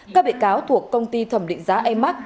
các bị cáo thuộc công ty thẩm định giá emax